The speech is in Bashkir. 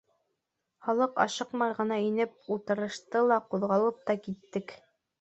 Халыҡ ашыҡмай ғына инеп ултырышты ла ҡуҙғалып та киттек.